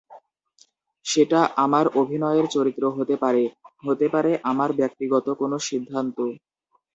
সেটা আমার অভিনয়ের চরিত্র হতে পারে, হতে পারে আমার ব্যক্তিগত কোনো সিদ্ধান্ত।